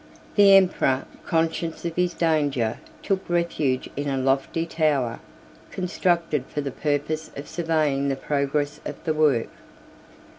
The emperor, conscious of his danger, took refuge in a lofty tower, constructed for the purpose of surveying the progress of the work.